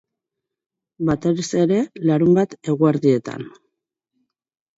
Batez ere, larunbat eguerdietan.